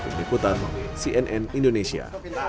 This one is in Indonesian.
pendiputan cnn indonesia